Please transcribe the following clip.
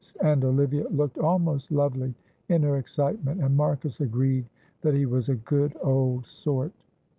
and Olivia looked almost lovely in her excitement, and Marcus agreed that he was a good old sort.